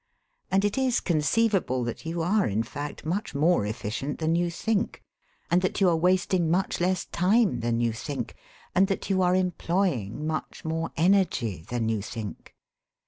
And it is conceivable that you are, in fact, much more efficient than you think, and that you are wasting much less time than you think, and that you are employing much more energy than you think.